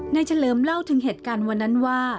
เฉลิมเล่าถึงเหตุการณ์วันนั้นว่า